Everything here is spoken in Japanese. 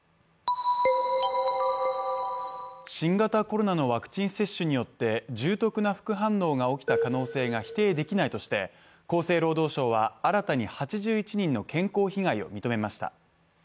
新型コロナのワクチン接種によって重篤な副反応が起きた可能性が否定できないとして厚生労働省は新たに８１人の健康被害を認めました。